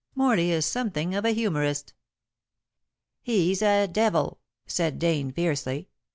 "Morley is something of a humorist." "He's a devil!" said Dane fiercely.